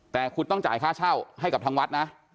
แต่คุณต้องจ่ายค่าเช่าให้กับทางวัดนะ